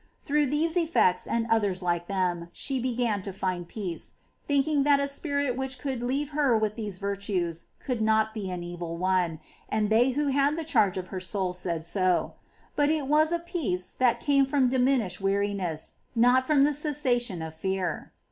Through these effects, and others like them, she began to find peace, thinking that a spirit which could leave her with these virtues could not be an evil one, and they who had the charge of her soul said so; but it was a peace that came from diminished weariness, not from the cessation of fear.